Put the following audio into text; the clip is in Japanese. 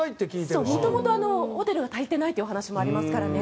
もともとホテルが足りてないというお話もありますから。